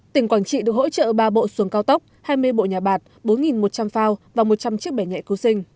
tỉnh quảng trị được hỗ trợ ba bộ xuồng cao tốc hai mươi bộ nhà bạc bốn một trăm linh phao và một trăm linh chiếc bẻ nhẹ cứu sinh